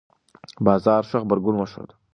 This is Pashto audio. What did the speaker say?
بازار ښه غبرګون وښود.